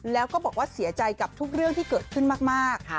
แล้วก็บอกว่าเสียใจกับทุกเรื่องที่เกิดขึ้นมาก